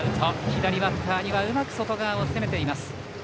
左バッターにはうまく外側を攻めています。